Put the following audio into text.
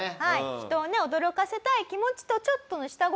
人をね驚かせたい気持ちとちょっとの下心。